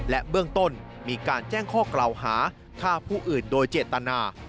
และเบื้องต้นมีการแจ้งข้อกล่าวหาฆ่าผู้อื่นโดยเจตนา